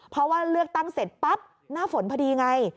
เพราะว่าเลือกตั้งเสร็จปั๊บหน้าฝนพอดีไง